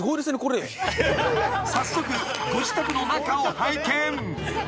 ［早速ご自宅の中を拝見］